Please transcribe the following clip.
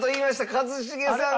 一茂さんが。